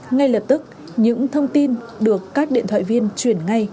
ngay lập tức những thông tin được các điện thoại viên chuyển ngay